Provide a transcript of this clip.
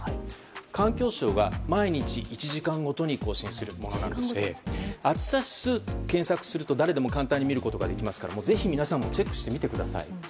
環境省が毎日１時間ごとに更新するもので暑さ指数と検索すると誰でも簡単に見れますからぜひ皆さんもチェックしてみてください。